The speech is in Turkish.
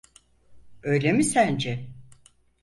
Öyle mi sence?